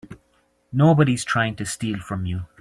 Nobody's trying to steal from you.